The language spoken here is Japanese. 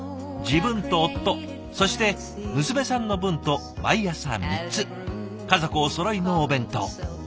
自分と夫そして娘さんの分と毎朝３つ家族おそろいのお弁当。